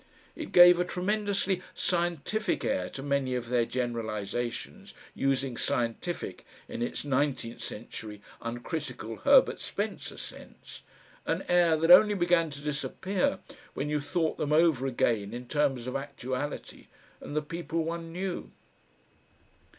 It gave a tremendously scientific air to many of their generalisations, using "scientific" in its nineteenth century uncritical Herbert Spencer sense, an air that only began to disappear when you thought them over again in terms of actuality and the people one knew....